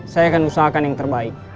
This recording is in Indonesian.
saya akan usahakan yang terbaik